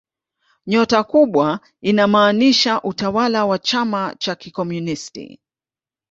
Nyota kubwa inamaanisha utawala wa chama cha kikomunisti.